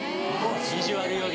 ビジュアルより。